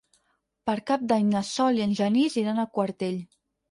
Per Cap d'Any na Sol i en Genís iran a Quartell.